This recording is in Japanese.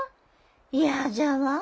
嫌じゃわあ